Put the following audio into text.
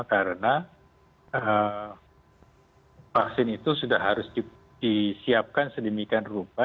karena vaksin itu sudah harus disiapkan sedemikian rupa